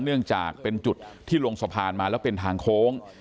เนื่องจากเป็นจุดที่ลงสะพานมาแล้วเป็นทางโค้ง